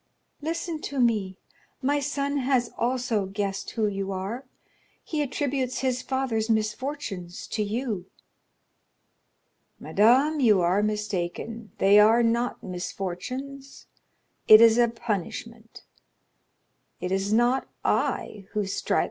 "Listen to me, my son has also guessed who you are,—he attributes his father's misfortunes to you." "Madame, you are mistaken, they are not misfortunes,—it is a punishment. It is not I who strike M.